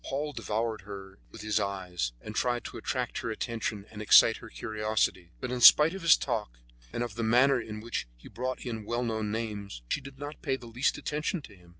Paul devoured her with his eyes, and tried to attract her attention and excite her curiosity; but in spite of his talk, and of the manner in which he brought in well known names, she did not pay the least attention to him.